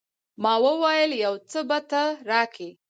ما وويل يو څه به ته راکې.